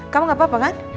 kamu gak apa apa kan